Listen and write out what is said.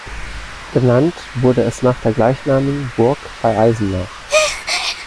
Benannt wurde es nach der gleichnamigen Burg bei Eisenach.